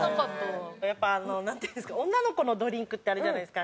やっぱなんていうんですか女の子のドリンクってあるじゃないですか。